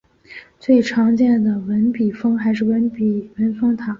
最常见的文笔峰还是文峰塔。